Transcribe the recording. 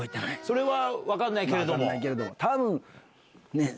それは分かんないけれども。